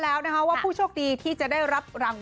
ไม่ได้ส่ง